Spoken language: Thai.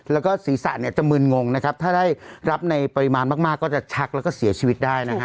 แล้วก็ศีรษะจะมึนงงถ้าได้รับในปริมาณมากก็จะชักและเสียชีวิตได้นะครับ